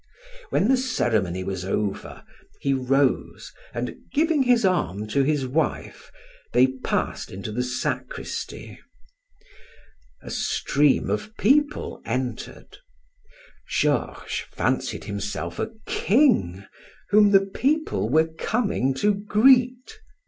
When the ceremony was over, he rose, and, giving his arm to his wife, they passed into the sacristy. A stream of people entered. Georges fancied himself a king whom the people were coming to greet.